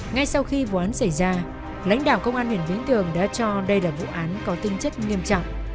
ngay sau khi vụ án xảy ra lãnh đạo công an huyện vĩnh tường đã cho đây là vụ án có tinh chất nghiêm trọng